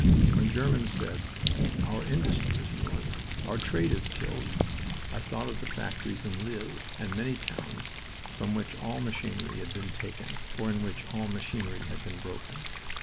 When Germans said, "Our industry is ruined," "Our trade is killed," I thought of the factories in Lille and many towns from which all machinery had been taken or in which all machinery had been broken.